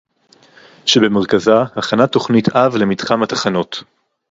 שבמרכזה הכנת תוכנית-אב למתחם התחנות